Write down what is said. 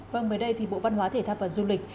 vâng mới đây thì bộ văn hóa thể thao và du lịch